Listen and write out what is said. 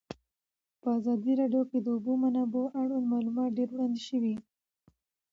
په ازادي راډیو کې د د اوبو منابع اړوند معلومات ډېر وړاندې شوي.